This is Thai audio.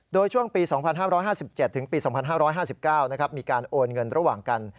โดยช่วงปี๒๕๕๗ถึงปี๒๕๕๙มีการโอนเงินระหว่างกัน